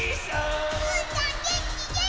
うーたんげんきげんき！